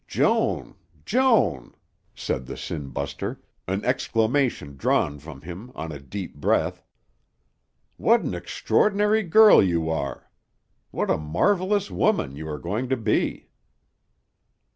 "Joan! Joan!" said the "sin buster," an exclamation drawn from him on a deep breath, "what an extraordinary girl you are! What a marvelous woman you are going to be!"